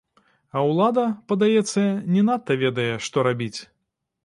А ўлада, падаецца, не надта ведае, што рабіць.